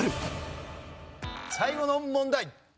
最後の問題。